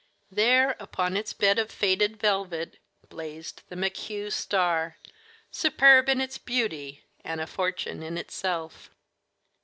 There upon its bed of faded velvet blazed the "McHugh star," superb in its beauty and a fortune in itself.